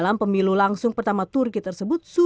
kami siap untuk melindungi mereka